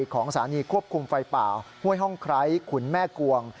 ของสถานีควบคุมไฟป่าห้วยห้องไคร้ขุนแม่กวง